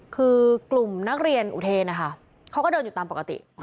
คือกลุ่มนักเรียนอุเทนนะคะเขาก็เดินอยู่ตามปกติ